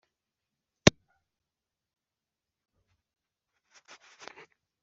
madini y'ahandi, higeze kwamamara uburyo bwo kun nyega